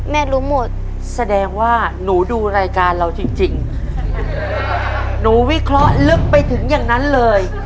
รู้หมดแสดงว่าหนูดูรายการเราจริงจริงหนูวิเคราะห์ลึกไปถึงอย่างนั้นเลย